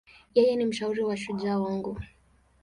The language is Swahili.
Yeye ni mshauri na shujaa wangu.